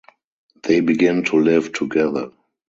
They begin to live together.